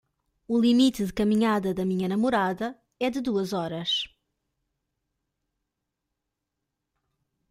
O limite de caminhada da minha namorada é de duas horas.